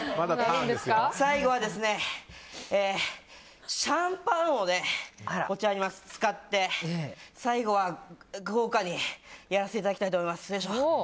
最後は、シャンパンを使って最後は豪華にやらせていただきたいと思います。